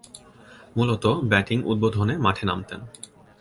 মূলতঃ ব্যাটিং উদ্বোধনে মাঠে নামতেন।